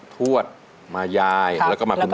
ถวดมายายแล้วก็มาคุณแม่